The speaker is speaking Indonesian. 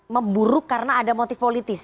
memburuk karena ada motif politis